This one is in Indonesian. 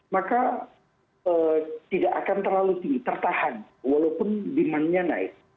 maka tidak akan terlalu tinggi tertahan walaupun demandnya naik